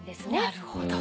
なるほど。